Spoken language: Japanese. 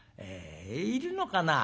「いるのかな？